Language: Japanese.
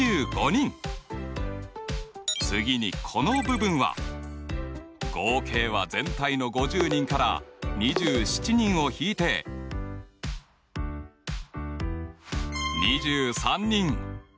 次にこの部分は合計は全体の５０人から２７人を引いて２３人。